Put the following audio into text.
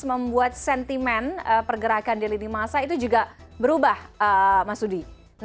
membuat sentimen pergerakan diri di masa itu juga berubah mas udi